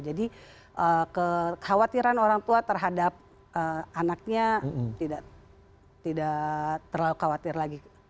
jadi kekhawatiran orang tua terhadap anaknya tidak terlalu khawatir lagi